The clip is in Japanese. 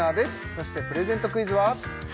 そしてプレゼントクイズは？